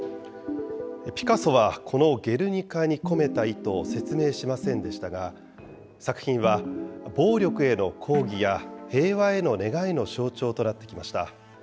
ピカソはこのゲルニカに込めた意図を説明しませんでしたが、作品は、暴力への抗議や平和への願いの象徴となってきました。